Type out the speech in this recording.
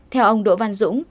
theo ông đỗ văn dũng